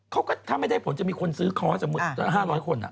เขาก็ถ้าไม่ได้ผลจะมีคนซื้อคอร์ส๕๐๐คน